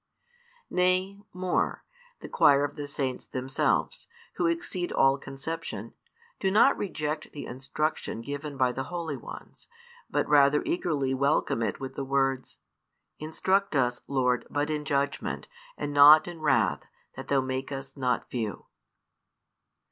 Nay, more, the choir of the Saints themselves, who exceed all conception, do not reject the instruction given by the Holy Ones, but rather eagerly welcome it with the words: Instruct us, Lord, but in judgment, and not in wrath, that Thou make us not few.